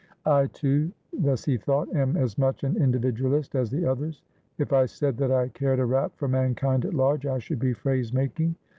"I, too," thus he thought, "am as much an individualist as the others. If I said that I cared a rap for mankind at large, I should be phrase making.